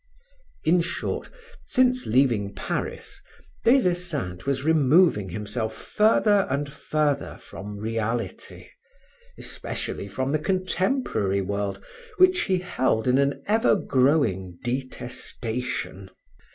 In short, since leaving Paris, Des Esseintes was removing himself further and further from reality, especially from the contemporary world which he held in an ever growing detestation.